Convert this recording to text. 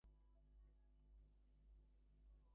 এটা মহাবিশ্বের সবচেয়ে শক্তিশালী দেবতাদের আবাসস্থল।